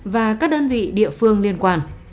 và các đơn vị địa phương liên quan